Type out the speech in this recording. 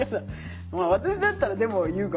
私だったらでも言うかも。